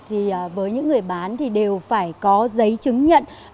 thì với những người bán thì đều phải có giấy chứng nhận